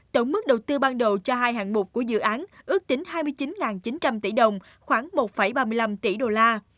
tổng mức đầu tư ban đầu cho hai hạng mục của dự án ước tính hai mươi chín chín trăm linh tỷ đồng khoảng một ba mươi năm tỷ đô la